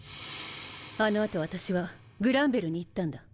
あの後私はグランベルに行ったんだ。